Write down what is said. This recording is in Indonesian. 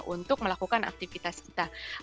untuk melakukan aktivitas kita